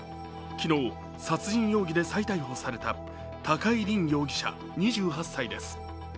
昨日、殺人容疑で再逮捕された高井凜容疑者２８歳です。